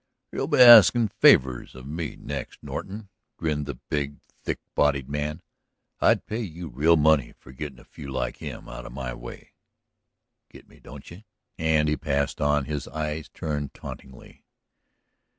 "You'll be asking favors of me next, Norton," grinned the big, thick bodied man. "I'd pay you real money for getting a few like him out of my way. Get me, don't you?" and he passed on, his eyes turned tauntingly.